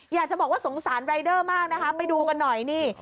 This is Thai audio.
อยากจะบอกว่าสงสารรายเดอร์มากนะคะไปดูกันหน่อยนี่